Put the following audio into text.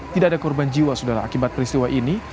tidak ada korban jiwa sudah akibat peristiwa ini